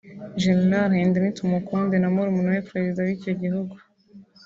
General Henry Tumukunde na murumuna wa Perezida w’icyo gihugu